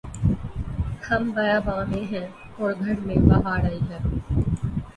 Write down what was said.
ہم بیاباں میں ہیں اور گھر میں بہار آئی ہے